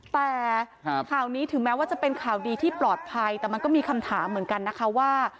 แต่ข่าวนี้ถึงแม้ว่าจะเป็นข่าวดีที่ปลอดภัยแต่มันก็มีคำถามเหมือนกันนะคะว่า